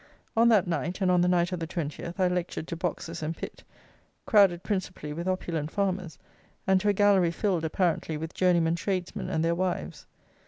On that night, and on the night of the 20th, I lectured to boxes and pit, crowded principally with opulent farmers, and to a gallery filled, apparently, with journeymen tradesmen and their wives.